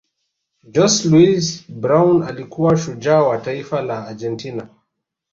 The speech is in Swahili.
jose luis brown alikuwa shujaa wa taifa la argentina